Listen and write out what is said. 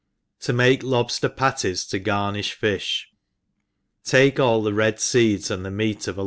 31? make Lobsteji Patties to garnijh Fish. TAKE ^11 the red feeds and the meat of a